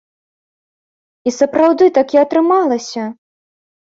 І, сапраўды, так і атрымалася!!!